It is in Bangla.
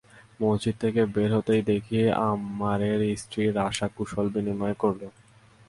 মসজিদ থেকে বের হতেই দেখি আম্মারের স্ত্রী রাশা কুশল বিনিময় করল।